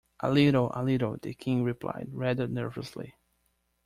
‘A little—a little,’ the King replied, rather nervously.